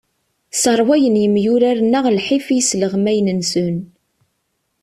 Sserwayen yemyurar-nneɣ lḥif i yisleɣmayen-nsen.